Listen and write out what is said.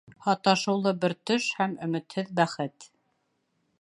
Һаташыулы бер төш һәм өмөтһөҙ бәхет.